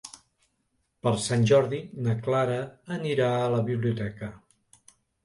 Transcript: Per Sant Jordi na Clara anirà a la biblioteca.